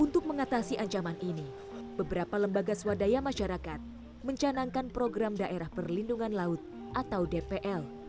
untuk mengatasi ancaman ini beberapa lembaga swadaya masyarakat mencanangkan program daerah perlindungan laut atau dpl